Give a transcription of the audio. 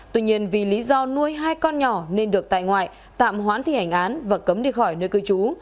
tuy nhiên vì lý do nuôi hai con nhỏ nên được tại ngoại tạm hoãn thi hành án và cấm đi khỏi nơi cư trú